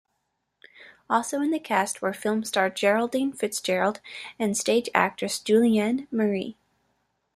Also in the cast were film star Geraldine Fitzgerald and stage actress Julienne Marie.